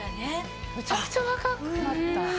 めちゃくちゃ若くなった！